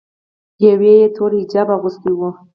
یوه یې تور حجاب اغوستی و.